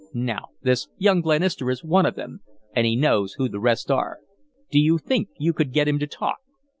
Now, this young Glenister is one of them, and he knows who the rest are. Do you think you could get him to talk?"